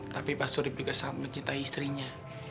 tapi pak surip juga sangat mencintai istrinya